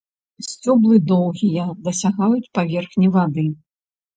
Сцёблы доўгія, дасягаюць паверхні вады.